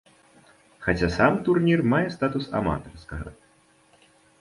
Хаця сам турнір мае статус аматарскага.